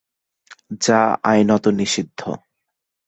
যা আইনত নিষিদ্ধ।